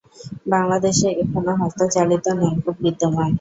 বাংলাদেশে এখনো হস্তচালিত নলকূপ বিদ্যমান।